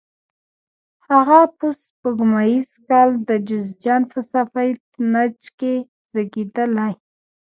هغه په سپوږمیز کال د جوزجان په سفید نج کې زیږېدلی.